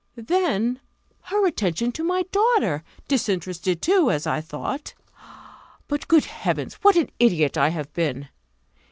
"Then her attention to my daughter! disinterested, too, as I thought! But, good Heavens, what an idiot I have been!